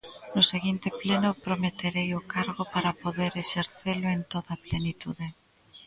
No seguinte pleno prometerei o cargo para poder exercelo en toda a plenitude.